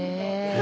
え。